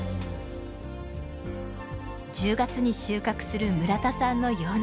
１０月に収穫する村田さんの洋梨。